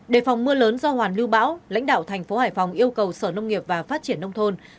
đề phòng mưa lớn do hoàn lưu bão lãnh đạo thành phố hải phòng yêu cầu sở nông nghiệp và phát triển nông thôn